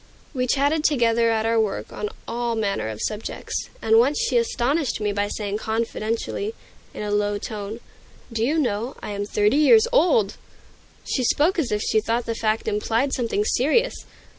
We chatted together at our work on all manner of subjects, and once she astonished me by saying confidentially, in a low tone, "Do you know, I am thirty years old!" She spoke as if she thought the fact implied something serious.